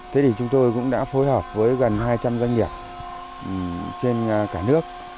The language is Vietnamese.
thế thì chúng tôi cũng đã phối hợp với gần hai trăm linh doanh nghiệp trên cả nước